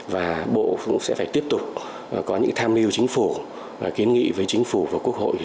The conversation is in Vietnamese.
và bộ cũng sẽ phải tiếp tục có những tham mưu chính phủ và kiến nghị với chính phủ và quốc hội